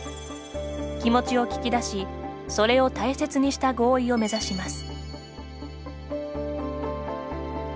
気持ちを聞き出しそれを大切にした合意を目指します。